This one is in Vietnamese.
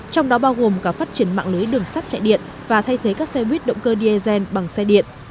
trong đó bao gồm cả phát triển mạng lưới đường sắt chạy điện và thay thế các xe buýt động cơ diesel bằng xe điện